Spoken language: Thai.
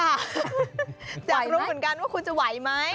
แต่จะรวมผลกันว่าคุณจะไหวมั้ย